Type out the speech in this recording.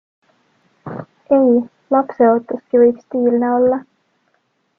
Ei, lapseootuski võib stiilne olla!